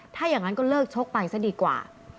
ถ้าอย่างนั้นก็เลิกชกไปซะดีกว่า